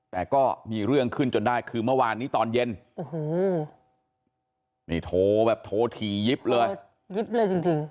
แต่ก็มีเรื่องขึ้นจนได้คือเมื่อวานนี้ตอนเย็นโอ้โหนี่โทรแบบโทรถี่ยิบเลยยิบเลยจริงจริง